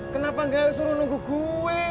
kenapa gak suruh nunggu gue